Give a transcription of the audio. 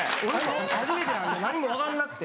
初めてなんで何も分かんなくて。